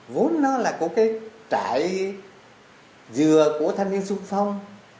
vốn nó là của cái trại rửa của thanh niên xuân phong